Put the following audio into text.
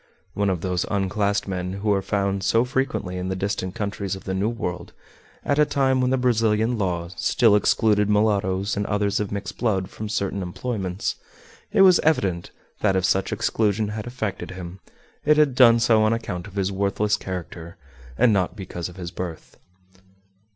One of those unclassed men who are found so frequently in the distant countries of the New World, at a time when the Brazilian law still excluded mulattoes and others of mixed blood from certain employments, it was evident that if such exclusion had affected him, it had done so on account of his worthless character, and not because of his birth.